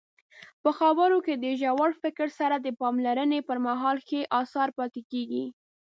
په خبرو کې د ژور فکر سره د پاملرنې پرمهال ښې اثار پاتې کیږي.